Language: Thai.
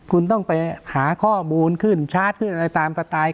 คุณต้องไปหาข้อมูลขึ้นชาร์จขึ้นอะไรตามสไตล์